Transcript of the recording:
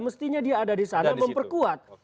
mestinya dia ada disana memperkuat